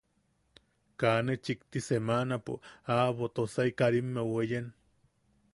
Kaa ne chikti semanapo aa aʼabo Tosai Karimmeu weyen.